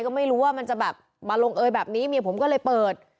ก็ไม่รู้ว่ามันจะแบบมาลงเอยแบบนี้เมียผมก็เลยเปิด